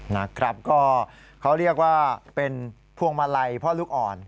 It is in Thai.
นะครับก็เขาเรียกว่าเป็นพวงมาลัยพ่อลูกอ่อน